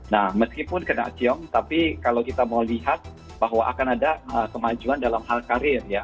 nah meskipun kena ciong tapi kalau kita mau lihat bahwa akan ada kemajuan dalam hal karir ya